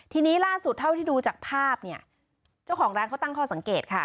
ทีนี้ล่าสุดเท่าที่ดูจากภาพเนี่ยเจ้าของร้านเขาตั้งข้อสังเกตค่ะ